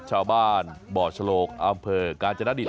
ชาวบ้านบ่อฉลกอำเภอกาญจนดิต